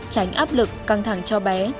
tránh áp lực căng thẳng cho bé